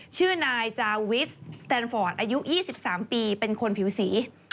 ชื่อนายจาวิสสแตนฟอร์ดอายุ๒๓ปีเป็นคนผิวสี